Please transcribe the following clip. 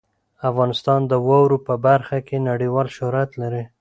افغانستان د واورو په برخه کې نړیوال شهرت لري.